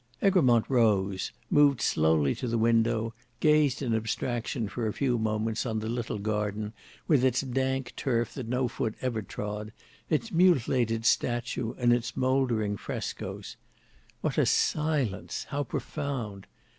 Egremont rose, moved slowly to the window, gazed in abstraction for a few moments on the little garden with its dank turf that no foot ever trod, its mutilated statue and its mouldering frescoes. What a silence; how profound!